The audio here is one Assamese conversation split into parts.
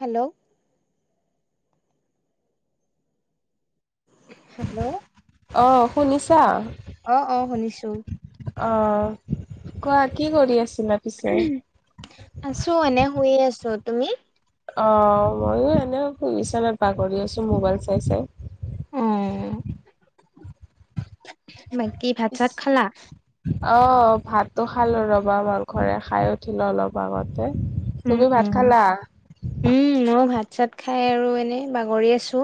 হেল্ল'? হেল্ল'। অ' শুনিছা? অ' অ' শুনিছো। অ' কোৱা, কি কৰি আছিলা পিছে? আছো এনে শুয়ে আছো তুমি? অ। মইও এনেই বিচনাত বাগৰি আছোঁ মোবাইল চাই চাই। অ বাকী ভাত চাত খালা আহ, ভাত তো খালো ৰবা মাংসৰে খাই উঠিলো অলপ আগত। উম তুমি ভাত উম খালা? উম মইও ভাত চাত খাই আৰু এনেই বাগৰি আছোঁ।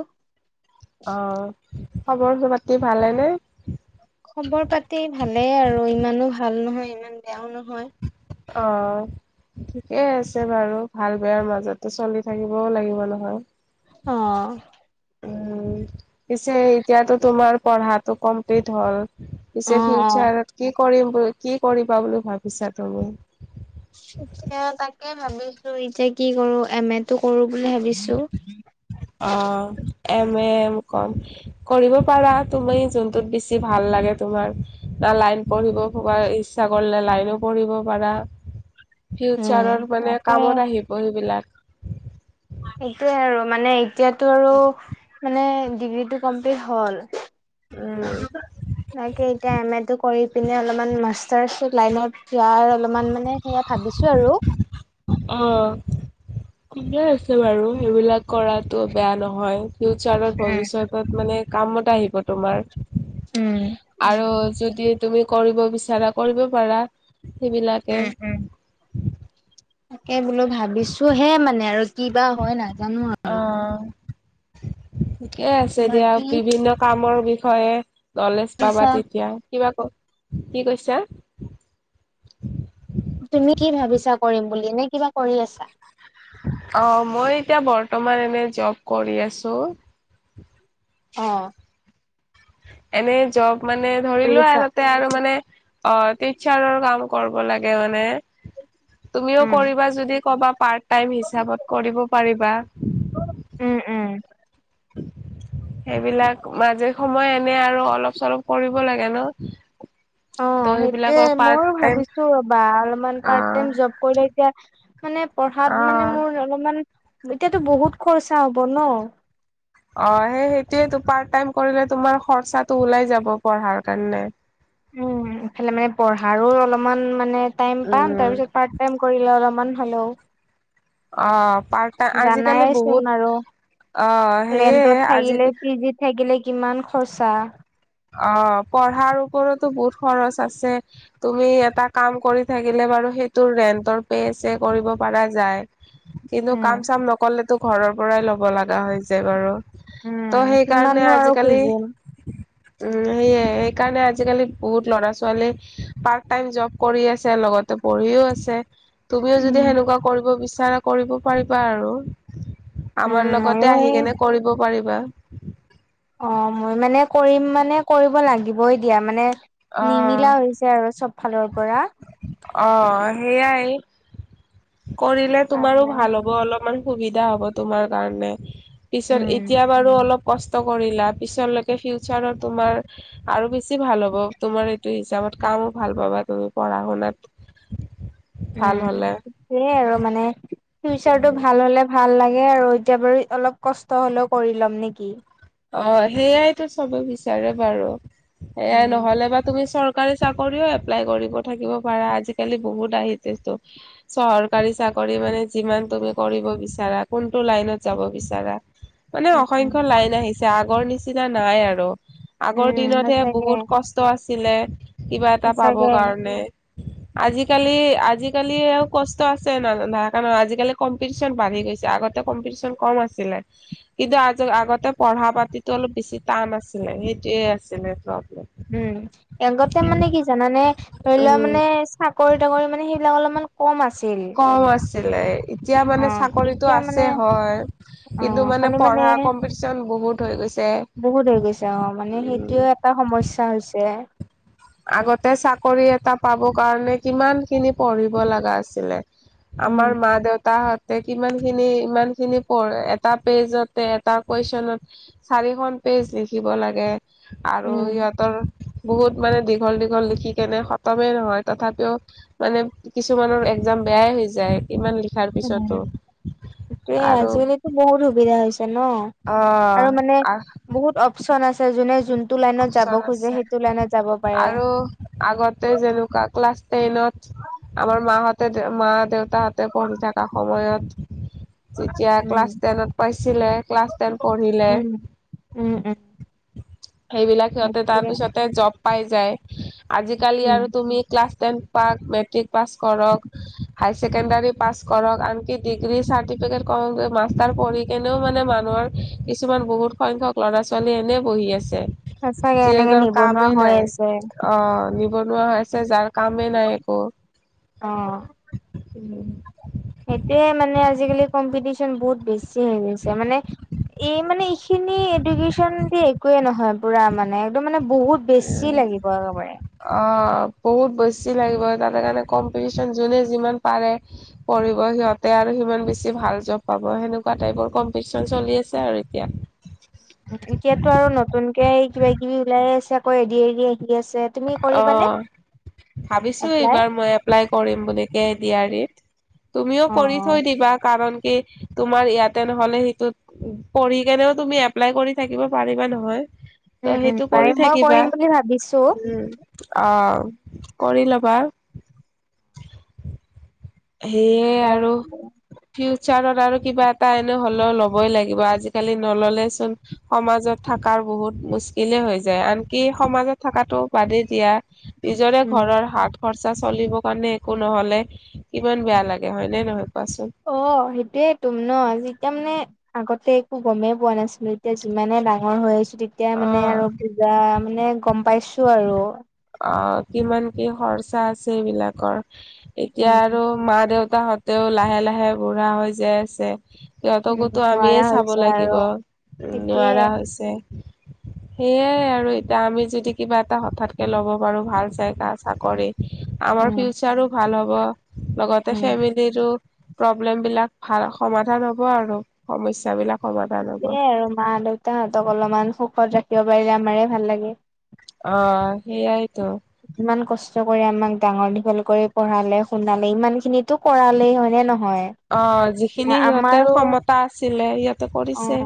অ'। খবৰ পাতি ভালেনে? খবৰ পাতি ভালেই আৰু, ইমানো ভাল নহয় ইমান বেয়াও নহয়। অ'। ঠিকেই আছে বাৰু। ভাল-বেয়াৰ মাজতে চলি থাকিবও লাগিব নহয়। অ'। উ, পিছে এতিয়াতো তোমাৰ পঢ়াটো কমপ্লিট হ'ল। অ পিছে অ ফিউচাৰত কি কৰিম বুলি, কি কৰিবা বুলি ভাবিছা তুমি? এতিয়া তাকে ভাবিছোঁ, এতিয়া কি কৰোঁ এম এ টো কৰোঁ বুলি ভাবিছোঁ। অ', এম এ কৰিব পাৰা, তুমি জোনটোত বেছি ভাল লাগে তোমাৰ। বা লাইন পঢ়িব ইচ্ছা কৰিলে লাইনো পঢ়িব পাৰা। হয়। ফিউচাৰৰ মানে কামত আহিব সেইবিলাক। সেইটোয়ে আৰু, মানে এতিয়াতো আৰু, মানে ডিগ্ৰীটো কমপ্লিট হল। উম। তাকে এতিয়া এম্ এ টো কৰি পিনে অলপমান মাষ্টাৰছ লাইনত যোৱাৰ অলপমান মানে সেয়া ভাবিছোঁ আৰু। অ। ঠিকে আছে বাৰু, সেইবিলাক কৰাতো বেয়া নহয়। ফিউচাৰত, উম, ভৱিষ্যতত মানে কামত আহিব তোমাৰ। উম। আৰু যদি তুমি কৰিব বিচাৰা, কৰিব পাৰা। সেইবিলাকে। উম, উম। তাকে বোলোঁ ভাবিছো হে মানে আৰু কিবা হয় নাজানো আৰু। অ'। ঠিকে আছে দিয়া। বাকী বিভিন্ন কামৰ বিষয়ে নলেজ পাবা ভাবিছা তেতিয়া। কিবা ক- কি কৈছা? তুমি কি ভাবিছা কৰিম বুলি। নে কিবা কৰি আছা? অ' মই এতিয়া বৰ্তমান এনে জব কৰি আছোঁ। অ। এনে জব মানে ধৰি কৰি লোৱা এ আছা তাতে আৰু মানে অ, টিচাৰৰ কাম কৰিব লাগে মানে। তুমিও উম, কৰিবা যদি কবা, পাৰ্ট টাইম হিচাপত কৰিব পাৰিবা। উম উম। [unintelligible] সেইবিলাক, মাজে সময়ে এনে আৰু অলপ চলপ কৰিব লাগে ন? অ ত সেইবিলাকৰ সেইটোয়ে, পাৰ্ট মইও টাইম ভাবিছো ৰবা। অলপমান অ পাৰ্ট টাইম জব কৰিলে এতিয়া মানে পঢ়াত মানে অ মোৰ অলপমান, এতিয়াতো বহুত খৰচা হ'ব ন। অ সেই সেইটোয়েইটো। পাৰ্ট টাইম কৰিলে তোমাৰ খৰচাটো ওলাই যাব পঢ়াৰ কাৰণে। উম। ইফালে মানে পঢ়াৰো অলপমান মানে টাইম পাম, উম তাৰপিছত পাৰ্ট টাইম কৰিলে অলপমান হ'লেও অ। পাৰ্ট টাইম আজিকালি জানাইচোন বহুত আৰু। অ সেয়ে ৰেন্টত আজি থাকিলে, পি জিত থাকিলে কিমান খৰ্চা। অ পঢ়াৰ ওপৰতৰতো বহুত খৰচ আছে। তুমি এটা কাম কৰি থাকিলে বাৰু সেইটো ৰেন্টৰ পে ছে কৰিব পৰা যায়। কিন্তু উম, কাম-চাম নকললেটো ঘৰৰ পৰাই ল'ব লগা হৈ যে বাৰু। ত' সেইকাৰণে কিমাননো আৰু আজি-কালি খুজিম। উম, সেয়ে সেইকাৰণে আজি-কালি বহুত ল'ৰা-ছোৱালী পাৰ্ট টাইম জব কৰি আছে লগত। পঢ়িও আছে। তুমিও উম, যদি সেনেকুৱা কৰিব বিচাৰা কৰিব পাৰিবা আৰু। উম, আমাৰ ময়ো লগতে আহি এই কেনে কৰিব পাৰিবা। অঁ, মই মানে, কৰিম মানে, কৰিব লাগিবই দিয়া? মানে অ নিমিলা হৈছে আৰু চব ফালৰ পৰা। অঁ, সেইয়াই, কৰিলে তোমাৰো কাৰণে ভাল হ'ব। অলপমান সুবিধা হ'ব তোমাৰ কাৰণে পিছত। উম, এতিয়া বাৰু অলপ কষ্‌ ট কৰিলা। পিছলৈকে ফিউচাৰত তোমাৰ আৰু বেছি ভাল হ'ব। তোমাৰ এইটো হিচাপত কামো ভাল পাবা। তুমি পঢ়া-শুনাত উম, সেয়াই আৰু মানে, ফিউচাৰটো ভাল হ'লে ভাল ভাল লাগে আৰু এতিয়া বাৰু অলপ কষ্ট হ'লেও কৰি ল'ম নেকি? অঁ, সেইয়াইটো চবে বিচাৰে বাৰু। সেইয়াই উম। নহ'লে বা তুমি চৰকাৰী চাক্‌ কৰিও এপ্লাই কৰিব থাকিব পাৰা। আজি-কালি বহুত আহিছেটো চৰকাৰী চাকৰি। মানে যিমান তুমি কৰিব বিচাৰা? কোনটো লাইনত যাব বিচাৰা? মানে, উম, উম, অসংখ্য লাইন আহিছে। আগৰ নিচিনা নাই আৰু। আগৰ উম, দিনতহে সঁচাকে বহুত কষ্ট আছিলে। কিবা এটা পাব সঁচাকে কাৰণে। আজি-কালি, আজি-কালি আৰু কষ্ট আছে ন' ন' থকাখানো। আজি-কালি কম্পিটিচন বাঢ়ি গৈছে। পিছে আগতে কম্পিটিচন কম আছিলে। পঢ়া -পাতিটো অলপ বেছি টান আছিলে। সেইটোৱে আছিলে ত'। উম, আগতে মানে কি জানানে? ধৰি লোৱা উম মানে, চাকৰি -তাকৰি মানে, সেই বিলাক অলমান কম আছ্‌ [unintelligible] কম আছিলে। ইত তিয়া মানে, অ', চাকৰিটো এতিয়া মানে আছে হ'য়। কিন্তু অ', মানে, খালি পঢ়া কম্পিটিচন বহুত হৈ গৈছে। বহুত হৈ গৈছে অঁ। মানে, উম সেইটোৱে এটা সমস্যা হৈছে। আগতে চাকৰি এটা পাব কাৰণে কিমান খিনি পঢ়িব লগা আছিলে? উম, আমাৰ মা দেউতা হঁত্‌- তে কিমান খিনি? ইমান খিনি পঢ়ে। এটা পেইজতে, এটা কুৱেশ্যনত চাৰিখন- পেইজ্‌ লিখিব লাগে আৰু উম, সিহঁতৰ বহুত মানে, দীঘল দীঘল লিখি কেনে খতমে নহয়। তথাপিও মানে, কিছুমানৰ এক্সাম বেয়াই হৈ যায়। ইমান লিখাৰ কোন পিছতো হ'য় সেয়া? আৰু আজি-কালিটো বহুত সুবিধা হৈছে ন'? অ আৰু মানে, আ বহুত অপ্‌চন আছে। যোনে যোনটো লাইনত যাব অপচন খোজে, আছে সেইটো লাইনত যা আৰু আগতে যেনেকুৱা ক্লাছ টেনত আমাৰ মা হঁত হেঁতে মা দেউতাহঁতে পঢ়ি থকা সময়ত- যেতিয়া উম, ক্লাছ টেনত পাইছিলে, ক্লাছ টেন পঢ়িলে উম, উম ওঁ। সেইবিলাক। সিহঁতে তাৰ পিছতে জব পাই যায়। আজি-কালি উম। আৰু তুমি ক্লাছ টেন পাক মে ট্ৰিক পাছ কৰক, হাই ছেকেণ্ডাৰী পাছ কৰক আনকি ডিগ্ৰী ৰ্চাটিফিকেট খনতে মাফ তাৰ পঢ়ি কেনেও মানে, মানুহৰ কিছুমান বহুত সংখ্যক ল'ৰা -ছোৱালী এনে বহি আছে ছে সঁচাকে যি এনেকে হেঁতৰ নিবনুৱা কামেই হৈ নাই। আছে অঁ নি বনোৱা হৈ আছে, যাৰ কামেই নাই একো। অঁ উম সেইটোৱে মানে, আজি-কালি কম্পিটিচন বহুত বেছি হৈ গৈছে। মানে এই মানে, এইখিনি এডুকেশ্যন দি একোৱে নহয়, পুৰা মানে, একদম মানে বহুত বেছি লাগিব আৰু একেবাৰে। বহুত বেছি লাগিব তাত সেইকাৰণে। কম্পিটিচন যোনে যিমান পাৰে, পঢ়িব সিহঁতে আৰু সিমান বেছি ভাল জব পাব। সেনেকুৱা টাইপৰ কম্পিটিচন চলি আছে আৰু এতিয়া। এতিয়াতো আৰু নতুনকে কিবা কিবি ওলাই আছে, আকৌ এ ডি আৰ ই আহি আছে। তুমি কৰিবানে অঁ, ভাৱিছোঁ এপ্লাই এইবাৰ মই এপ্লাই কৰিম বুলি এ ডি আৰ ইত্‌। তুমিও অ কৰি থৈ দিবা কাৰণ কি তোমাৰ ইয়াতে নহ'লে সেইটোত পঢ়ি কেনেও তুমি এপ্লাই কৰি থাকিব পাৰিবা নহয়। উম ত' উম সেইটো পাৰিম কৰি মই থাকিবা। কৰিম বুলি ভাবিছো উমঁ অঁহ কৰি লবা। সেয়ে আৰু কি- হাত'ত আৰু কিবা এটা এনেই হলেও ল'বই লাগিব আজিকালি নহলে চোন সমাজত থকাৰ- বহুত মুস্কিলে হৈ যায়। আনকি সমাজত থকাটো বাদেই দিয়া- নিজৰে উম ঘৰৰ হাত খৰচা চলিব কাৰণে একো নহ'লে কিমান বেয়া লাগে হয় নে নহয়। কোৱাচোন? অঁ সেইটোয়ে তো ন'। যেতিয়া মানে আগতে- গমেই পোৱা নাছিলো এতিয়া যিমানে ডাঙৰ হৈ আহিছোঁ যেতিয়া মানে আৰু অ', পূজা মানে- গম পাইছো আৰু। অঁ কিমান কি' খৰচা আছে এইবিলাকৰ এতিয়া উম আৰু মা, দেউতা- হতেও লাহে লাহে বুঢ়া হৈ যাই আছে। উম সিহঁতকো তো আমিয়ে নোৱাৰা চাব হৈছে আৰু লাগিব সেইটোয়ে নোৱাৰা হৈছে। সেয়াই আৰু এতিয়া আমি যদি কিবা এটা হঠাৎ কে ল'ব পাৰো ভাল চাই এটা চাকৰি। আমাৰ উম ফিউচাৰো ভাল হ'ব লগতে উম হাইবালিটো প্ৰব্লেম বিলাক ভাল সমাধান হ'ব আৰু সমস্যা বিলাক। সেইয়াই আৰু মা, দেউতা হ'তক অলপমান সুখত ৰাখিব পাৰিলে আমাৰ ভাল লাগে। অঁ সেইয়াই টো। ইমান কষ্ট কৰি আমাক ডাঙৰ দীঘল কৰি পঢ়ালে, শুনালে ইমান খিনিটো কৰালে হয় নে' নহয়। অঁ এতিয়া যিখিনি সিহঁতে আমাৰো ক্ষমতা আছিলে সিহঁতে অ কৰিছে।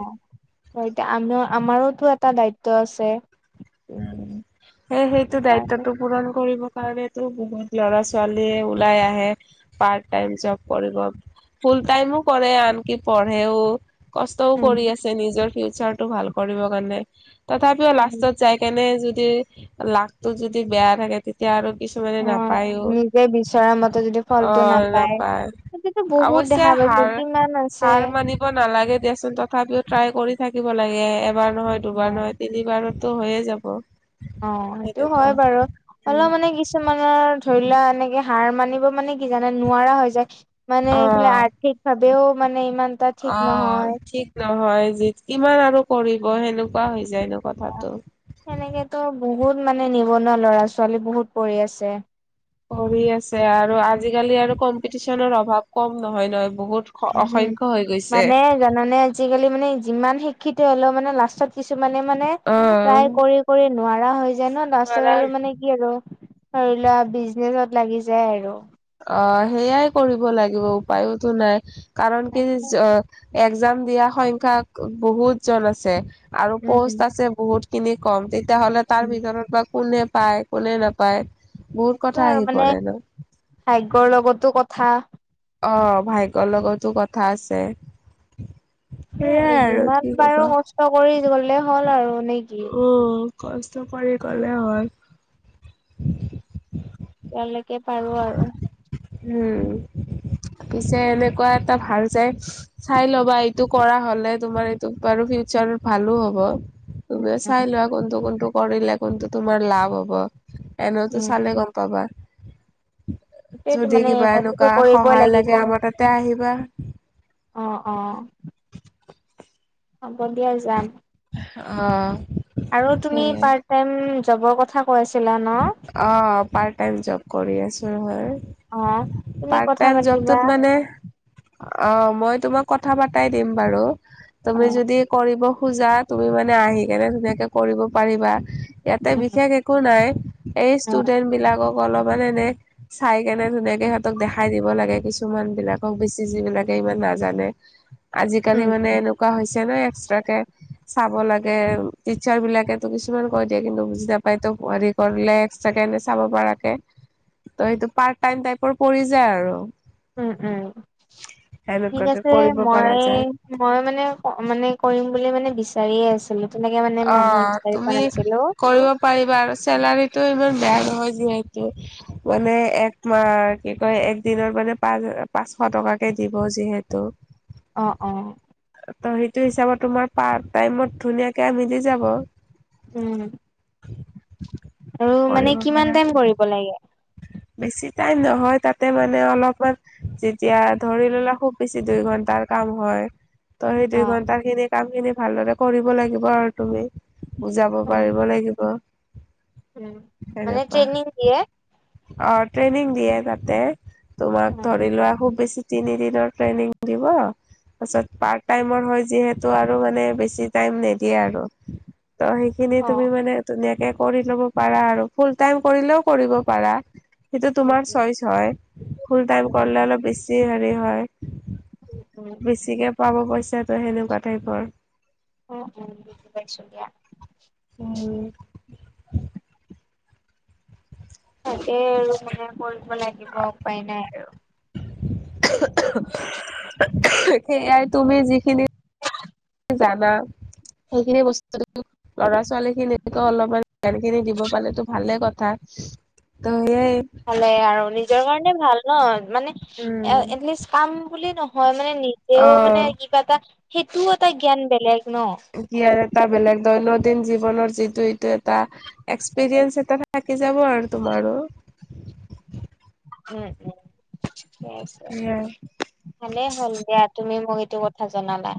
এতিয়া আমাৰো তো এটা দায়িত্ব আছে। সেই সেইটো সেইকাৰণে দায়িত্বটো পূৰণ কৰিব- কাৰণেটো বহুত লৰা-ছোৱালিয়ে ওলাই আহে পাৰ্ট টাইম জব কৰিব। ফুল টাইমো কৰে আনকি পঢ়েও। কষ্টও উম কৰি আছে নিজৰ ফিউচাৰ টো ভাল কৰিব কাৰণে তথাপিও উম লাষ্ট- যাই কেনি যদি লাখটো যদি বেয়া থাকে তেতিয়া আৰু- কিছুমানে অ নাপায়ো নিজে বিচৰা মতে যদি ফলটো অঁ নাপায়। সেইটোতো বহুত অৱশ্য দেখা পাইছো সাৰ কিমান আছে সাৰ মানিব নালাগে দিয়াচোন তথাপিও- ট্ৰাই কৰি থাকিব লাগে এবাৰ নহয় দুবাৰ নহয় তিনিবাৰতো হৈয়ে যাব। অঁ সেইটো সেনেকুৱা হয় বাৰু। উম অলপ মানে কিছুমানৰ- ধৰি লোৱা এনেকে হাৰ মানিব মানে কি জানে নোৱাৰা হৈ যায় মানে অ এইফালে আৰ্থিক ভাৱে- ও মানে ইমান এটা ঠিক নহয়। হয় দিয়া। কিমান আৰু কৰিব সেনেকুৱা হৈ যায় কথাটো। সেনেকেতো বহুত মানে নিবনুৱা ল'ৰা-ছোৱালী বহুত পঢ়ি আছে। পঢ়ি আছে আৰু আজিকালি আৰু কম্পিটিচনৰ অভাৱ কম নহয় নহয়। বহুত উমঁ হম। অসংখ্য হৈ গৈছে মানে জানানে আজিকালি মানে যিমান শিক্ষিত হলেও মানে লাষ্টত কিছু- মানে মানে অ ট্ৰাই কৰি কৰি নোৱাৰা হৈ যায় ন' তাৰপিছত নোৱাৰা আৰু মানে কি আৰু- ধৰি লোৱা বিজনেচত লাগি যায় আৰু। অঁ সেইয়াই কৰিব লাগিব উপায়টো নাই। কাৰণ কি- এক্জাম দিয়া সংখ্যা বহুত জন আছে আৰু উম, পষ্ট আছে বহুত খিনি- কম তেতিয়াা হ'লে তাৰ উম, ভিতৰত বা' কোনে পায়, কোনে নাপায়। বহুত সেইটো কথা আৰু আহি মানে পৰে ন'। ভাগ্যৰ লগতো কথা। অঁ ভাগ্যৰ লগতো কথা আছে। সেইয়াই আৰু। সেয়াই কি যিমান পাৰো কষ্ট কৰি গ'লে হ'ল আৰু। নে কি? অঁ কষ্ট কৰি গ'লে হয়। উমঁ। যেতিয়ালৈকে পাৰো আৰু। উম পিছে এনেকুৱা এটা ভাল যাই চাই ল'বা এইটো কৰা হ'লে তোমাৰ এইটো বাৰু ফিউচাৰ- ভালো হ'ব তুমিও চাই উম, লোৱা কোনটো কোনটো কৰিলে কোনটো তোমাৰ লাভ হ'ব। এনেওতো চালে গম পাবা সেইটোৱেটো যদি মানে কিবা সেইটোতো এনেকুৱা কৰিবই সহায় লাগিব। লাগে আমাৰ তাতে আহিবা। অ, অ। হব দিয়া যাম। অ। আৰু তুমি সেইয়াই পৰ্ত তায়াম জনৰ কথা কৈ আছিলা ন? অ, পাৰট টাইম জব কৰি আছো হয়। অ', তুমি পাৰ্ট কথা টাইম পাতিবা। জবটোত মানে অ, মই তোমাক কথা পাতাই দিম বাৰু তুমি অ', যদি কৰিব। খোজা। তুমি মানে আহি কেনে ধুনীয়াকে কৰিব পাৰিবা। ইয়াতে উম, বিশেষ একো নাই। এই উম, ষ্টুডেন্ট বিলাকক অলপমান এনে চাই কেনে ধুনীয়াকে সিহঁতক দেখাই দিব লাগে। কিছুমান বিলাকক বেচি যিবিলাকে ইমান নাজানে। আজিকালি উম, মানে এনেকুৱা হৈছে ন এক্সট্ৰাকে চাব লাগে টিচাৰ বিলাকে কিছুমান কৈ দিয়ে কিন্তু বুজি নাপায়তো। কৰিলে এক চাব পৰাকে ত সেইটো পাৰ্ট টাইম টাইপৰ পৰি যায় আৰু। উম, উম। ঠিক সেনেকুৱাকে আছে কৰিব পৰা মই যায় মই মানে মানে কৰিম বুলি মানে বিচাৰিয়ে আছিলো। তেনেকে মানে অ, মানুহ বিচাৰি পোৱা তুমি নাছিলো কৰিব পাৰিবা আৰু চেলাৰীটো ইমান বেয়া নহয় যিহেতু। মানে একমাহ কি কয় এক দিনত মানে পাঁচ পাঁচশ টকাকে দিব। যিহেতু। অ, অ। ত, সেইটো হিচাপত তোমাৰ পাৰ টাইমত ধুনীয়াকে মিলি যাব। উম আৰু মানে কৰিব কিমান পাৰা। টাইম কৰিব লাগে? বেছি টাইম নহয় তাতে মানে অলপমান যেতিয়া ধৰি ললে খুব বেছি দুই ঘণ্টা। তাৰ কাম হয়। ত, সেই অ দুই ঘণ্টা খিনি কাম খিনি ভালদৰে কৰিব লাগিব আৰু তুমি। বুজাব অ পাৰিব লাগিব। উম, মানে সেনেকুৱা। ট্ৰেইনিং দিয়ে। অ, ট্ৰেইনিং দিয়ে তাতে তোমাক অ ধৰি লোৱা খুব বেছি তিনি দিনৰ ট্ৰেইনিং দিব। তাৰছত পাৰ্ট টাইমৰ হয় যিহেতু আৰু মানে বেছি টাইম নিদিয়ে আৰু। ত, সেইখিনি অ তুমি মানে ধুনীয়াকে কৰি ল'ব পাৰা আৰু ফুল টাইম কৰিলেও কৰিব পাৰা। সেইটো উম তোমাৰ চইচ হয়, ফুল টাইম উম উম কৰিলে অলপ বেছি হেৰি হয়। উম বেছিকে পাব পইচাটো সেনেকুৱা টাইপৰ। অ, উ বাইছিয়া। উম, তাকেই আৰু মানে কৰিব লাগিব উপায় নাই আৰু। সেয়াই তুমি যিখিনি জানা? সেইখিনি বস্তু ল'ৰা-ছোৱালী খিনিকে অলপমান ধ্যান খিনি দিব পালো ভালে কথা। অ। ভালে আৰু নিজৰ কাৰণে ভাল ন মানে অ এটলিষ্ট কাম বুলি ন। মানে নিজেও মানে কিবা এটা সেইটোও এটা জ্ঞান বেলেগ ন কি এটা বেলেগ দৈনন্দিন জীৱনৰ যিটো এ, এক্সপিৰিয়েঞ্চ এটা থাকি যাব আৰু তোমাৰো। উম, সেয়াই উম হ'ল দিয়া তুমি মোক এইটো কথা জনালা।